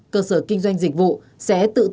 cơ sở kinh doanh dịch vụ